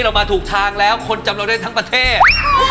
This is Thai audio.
เรามาถูกทางแล้วคนจำเราได้ทั้งประเทศ